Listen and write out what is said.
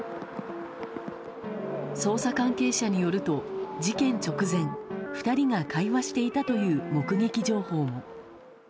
捜査関係者によると、事件直前２人が会話していたという目撃情報も。